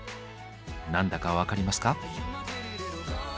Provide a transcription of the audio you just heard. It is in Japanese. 何だか分かりますか？